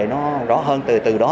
nó rõ hơn từ từ đó